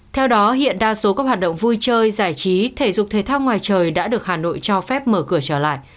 theo đó hiện đa số các hoạt động vui chơi giải trí thể dục thể thao ngoài trời đã được hà nội cho phép mở cửa trở lại